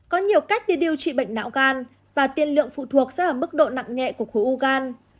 có nhiều cách để điều trị bệnh não gan và tiên lượng phụ thuộc rất là mức độ nặng nhẹ của khối u gan